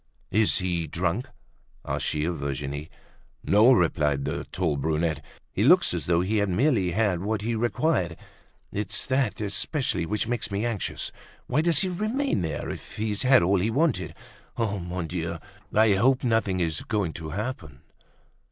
"Is he drunk?" asked she of Virginie. "No," replied the tall brunette. "He looks as though he had merely had what he required. It's that especially which makes me anxious. Why does he remain there if he's had all he wanted? Mon Dieu! I hope nothing is going to happen!"